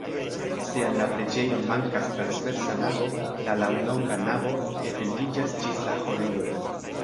Se al la preĝejo mankas transversa navo, la laŭlonga navo etendiĝas ĝis la ĥorejo.